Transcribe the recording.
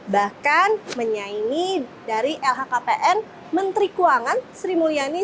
bahkan menyaingi dari lhkpn menteri keuangan sri mulyani